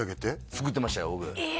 作ってましたよ